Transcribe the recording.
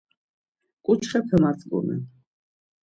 Ǩuçxepe matzǩunen.